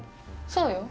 そうよ。